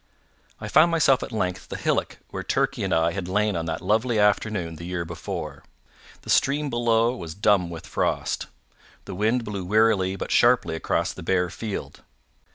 I found myself at length at the hillock where Turkey and I had lain on that lovely afternoon the year before. The stream below was dumb with frost. The wind blew wearily but sharply across the bare field.